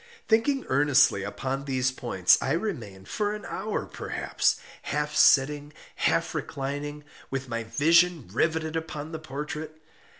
Thinking earnestly upon these points, I remained, for an hour perhaps, half sitting, half reclining, with my vision riveted upon the portrait.